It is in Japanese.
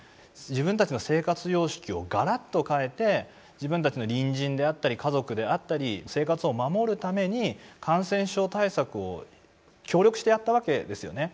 自分たちの生活様式をがらっと変えて自分たちの隣人であったり家族であったり生活を守るために感染症対策を協力してやったわけですよね。